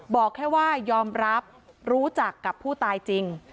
บอกแค่ว่ายอมรับรู้จักกับผู้ตายจริง